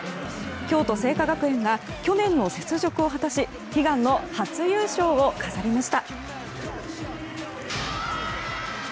京都精華学園が去年の雪辱を果たし悲願の初優勝を果たしました。